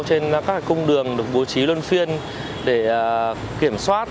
trên các cung đường được bố trí luân phiên để kiểm soát